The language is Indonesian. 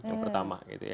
yang pertama gitu ya